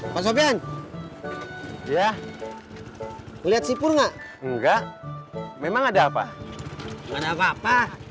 pasoknya ya lihat sipur enggak enggak memang ada apa apa